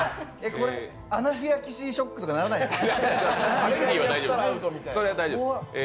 これ、アナフィラキシーショックとかならないですか。